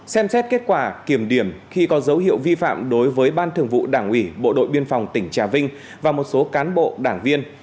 xem xét kết quả kiểm điểm khi có dấu hiệu vi phạm đối với ban thường vụ đảng ủy bộ đội biên phòng tỉnh trà vinh và một số cán bộ đảng viên